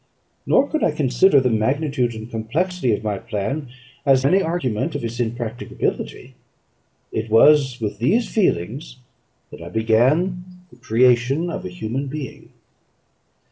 Nor could I consider the magnitude and complexity of my plan as any argument of its impracticability. It was with these feelings that I began the creation of a human being.